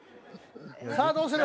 さあどうする？